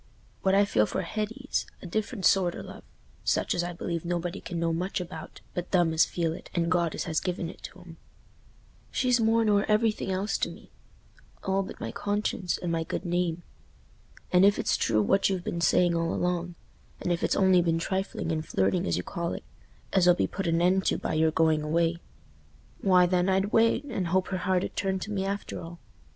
What I feel for Hetty's a different sort o' love, such as I believe nobody can know much about but them as feel it and God as has given it to 'em. She's more nor everything else to me, all but my conscience and my good name. And if it's true what you've been saying all along—and if it's only been trifling and flirting as you call it, as 'll be put an end to by your going away—why, then, I'd wait, and hope her heart 'ud turn to me after all.